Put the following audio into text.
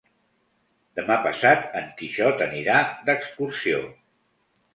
Demà passat en Quixot anirà d'excursió.